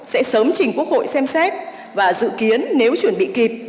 sẽ sớm trình quốc hội xem xét và dự kiến nếu chuẩn bị kịp